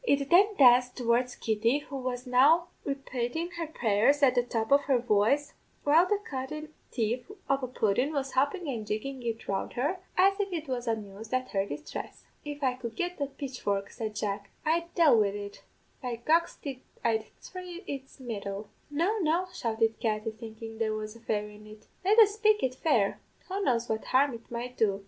It then danced towards Kitty, who was now repatin' her prayers at the top of her voice, while the cunnin' thief of a pudden was hoppin' and jiggin' it round her, as if it was amused at her distress. "'If I could get the pitchfork,' said Jack, 'I'd dale wid it by goxty I'd thry its mettle.' "'No, no,' shouted Katty, thinkin' there was a fairy in it; 'let us spake it fair. Who knows what harm it might do?